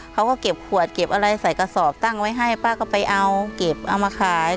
เขาก็เก็บขวดเก็บอะไรใส่กระสอบตั้งไว้ให้ป้าก็ไปเอาเก็บเอามาขาย